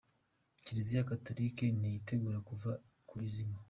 Kiliziya Gatolika ntiyiteguye kuva ku izima